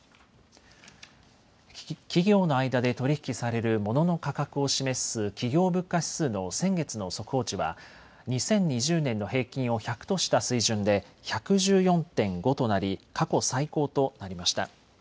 企業の間で取り引きされるモノの価格を示す企業物価指数の先月の速報値は２０２０年の平均を１００とした水準で１１４．５となり過去最高となりました。